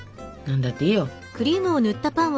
何だっていいよ。